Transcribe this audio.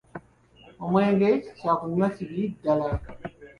Omwenge kyakunywa kibi ddala.